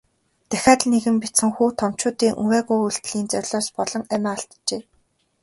Дахиад л нэгэн бяцхан хүү томчуудын увайгүй үйлдлийн золиос болон амиа алджээ.